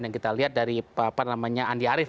yang kita lihat dari andi arief